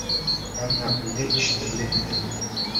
Әммә үҙе ишетерлек итеп: